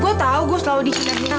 gue tau gue selalu dihidang hidang